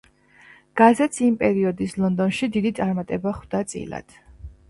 გაზეთს იმ პერიოდის ლონდონში დიდი წარმატება ხვდა წილად.